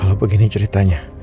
kalau begini ceritanya